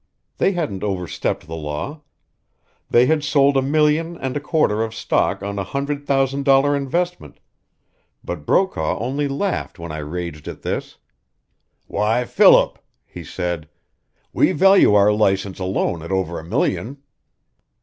They hadn't over stepped the law. They had sold a million and a quarter of stock on a hundred thousand dollar investment, but Brokaw only laughed when I raged at this. 'Why, Philip,' he said, 'we value our license alone at over a million!'